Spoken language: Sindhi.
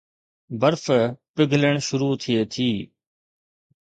برف پگھلڻ شروع ٿئي ٿي